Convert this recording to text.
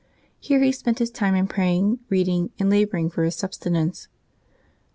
Here he spent his time in praying, reading, and laboring for his subsistence.